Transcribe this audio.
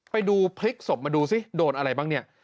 ไปดูพลิกศพมาดูสิโดนอะไรบ้างเนี่ย